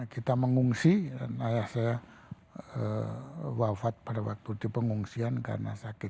kita mengungsi dan ayah saya wafat pada waktu di pengungsian karena sakit